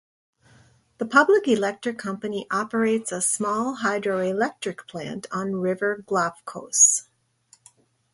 The Public Electric Company, operates a small hydroelectric plant on river Glafkos.